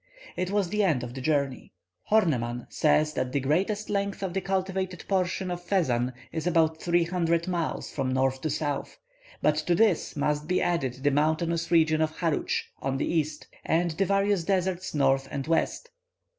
It was the end of the journey. Horneman says that the greatest length of the cultivated portion of Fezzan is about three hundred miles from north to south, but to this must be added the mountainous region of Harutsch on the east, and the various deserts north and west.